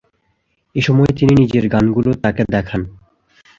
এসময় তিনি নিজের গানগুলো তাকে দেখান।